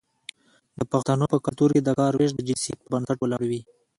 د پښتنو په کلتور کې د کار ویش د جنسیت پر بنسټ وي.